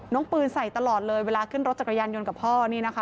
ปืนใส่ตลอดเลยเวลาขึ้นรถจักรยานยนต์กับพ่อนี่นะคะ